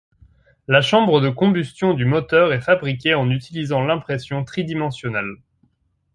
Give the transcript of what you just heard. La chambre de combustion du moteur est fabriquée en utilisant l'impression tridimensionnelle.